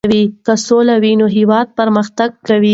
که سوله وي نو هېواد پرمختګ کوي.